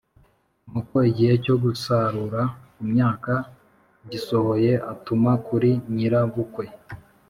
Nuko igihe cyo gusarura imyaka gisohoye atuma kuri nyirabukwe